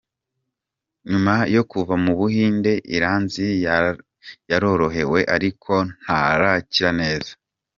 Nyuma yo kuva mu Buhinde, Iranzi yarorohewe ariko ntarakira neza.